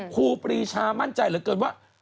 ครูปรีชามั่นใจเหลือเกินว่า